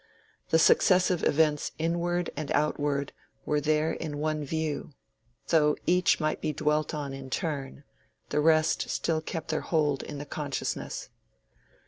The successive events inward and outward were there in one view: though each might be dwelt on in turn, the rest still kept their hold in the consciousness.